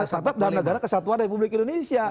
tetap dalam negara kesatuan republik indonesia